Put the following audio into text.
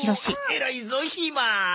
偉いぞひま！